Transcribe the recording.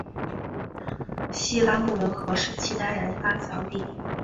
西拉木伦河是契丹人发祥地。